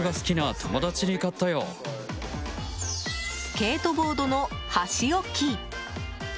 スケートボードの箸置き。